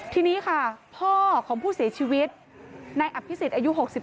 ทีนี้ค่ะพ่อของผู้เสียชีวิตนายอภิษฎอายุ๖๒